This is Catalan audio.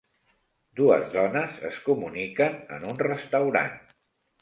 Dues dones es comuniquen en un restaurant